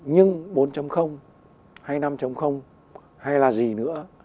nhưng bốn hay năm hay là gì nữa